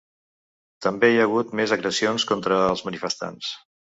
També hi hagut més agressions contra els manifestants.